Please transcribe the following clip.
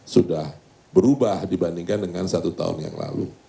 sudah berubah dibandingkan dengan satu tahun yang lalu